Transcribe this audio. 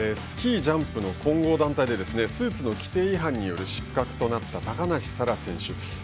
スキージャンプの混合団体でスーツの規定違反による失格となった高梨沙羅選手。